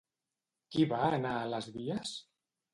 Qui va anar a les vies?